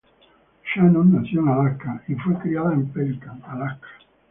Shannon nació en Alaska y fue criada en Pelican, Alaska.